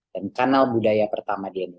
dan kanal budaya